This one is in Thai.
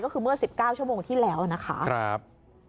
ก็คือเมื่อสิบเก้าชั่วโมงที่แล้วนะคะครับ